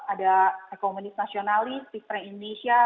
ada eko menis nasionalis pistre indonesia